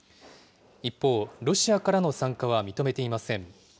一方、ロシアからの参加は認めていません。